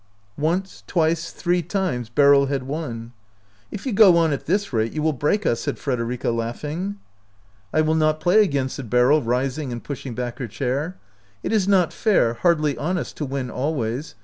Once, twice, three times Beryl had won. " If you go on at this rate you will break us," said Frederica, laughing. 59 OUT OF BOHEMIA " I will not play again," said Beryl, rising and pushing back her chair. " It is not fair, hardly honest, to win always.